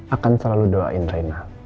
akan selalu doain rena